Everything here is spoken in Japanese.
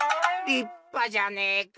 「りっぱじゃねえか！